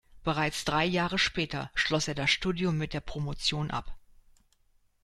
Bereits drei Jahre später schloss er das Studium mit der Promotion ab.